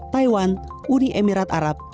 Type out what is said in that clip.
taiwan uni emirat arab